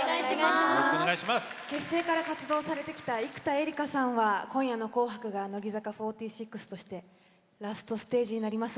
結成から活動されてきた生田絵梨花さんは今夜の紅白が乃木坂４６としてのラストステージです。